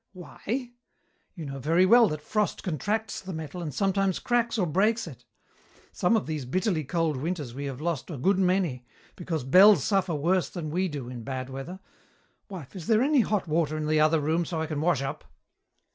"Why! You know very well that frost contracts the metal and sometimes cracks or breaks it. Some of these bitterly cold winters we have lost a good many, because bells suffer worse than we do in bad weather. Wife, is there any hot water in the other room, so I can wash up?"